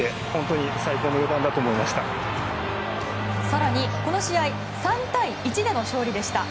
更に、この試合３対１での勝利でした。